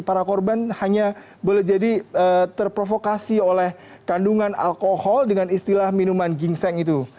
para korban hanya boleh jadi terprovokasi oleh kandungan alkohol dengan istilah minuman gingseng itu